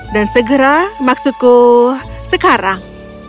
dan segera maksudku sekarang